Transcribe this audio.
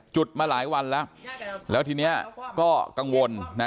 จุดมาหลายวันแล้วแล้วทีนี้ก็กังวลนะ